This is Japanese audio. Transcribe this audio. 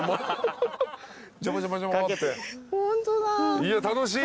いや楽しい。